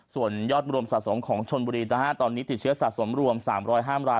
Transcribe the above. ส่วนยอดรวมสะสมของชนบุรีตอนนี้ติดเชื้อสะสมรวม๓๐๕ราย